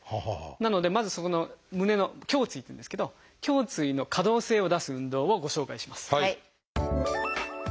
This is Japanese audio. なのでまずそこの胸の「胸椎」っていうんですけど胸椎の可動性を出す運動をご紹介します。